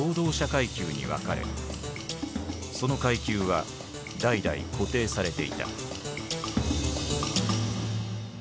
その階級は代々固定されていた。